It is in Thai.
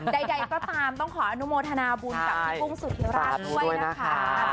ใดก็ตามต้องขออนุโมทนาบุญกับพี่กุ้งสุธิราชด้วยนะคะ